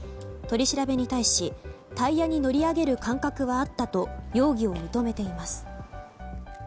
取り調べに対しタイヤに乗り上げる感覚はあったと容疑を認めています。